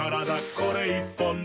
これ１本で」